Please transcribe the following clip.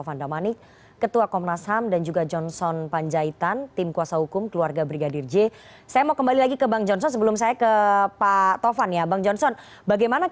jangan kemana mana tetap bersama kami di cnn indonesia newsroom